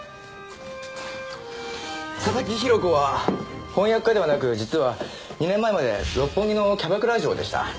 佐々木広子は翻訳家ではなく実は２年前まで六本木のキャバクラ嬢でした。